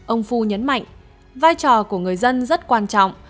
ông phu nhấn mạnh vai trò của người dân rất quan trọng